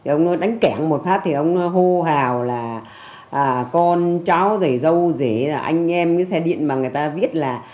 ông đánh kẹng một phát thì ông hô hào là con cháu dạy dâu dễ anh em xe điện mà người ta viết là